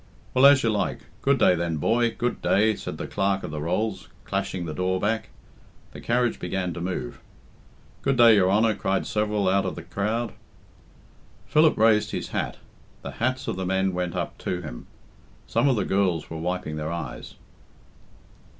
"Well, as you like; good day, then, boy, good day," said the Clerk of the Rolls, clashing the door back. The carriage began to move. "Good day, your Honour," cried several out of the crowd. Philip raised his hat. The hats of the men went up to him. Some of the girls were wiping their eyes.